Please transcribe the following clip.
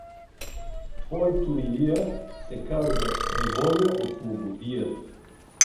— Твойто, Илия, се казва: неволия от слободия!